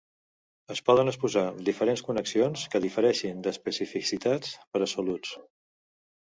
Es poden exposar diferents connexions que difereixin d'especificitats per a soluts.